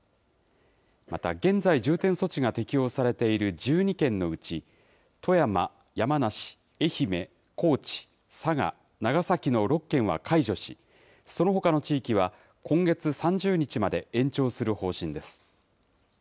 また現在、重点措置が適用されている１２県のうち、富山、山梨、愛媛、高知、佐賀、長崎の６県は解除し、そのほかの地域は、今月３０日まで延長する方針です。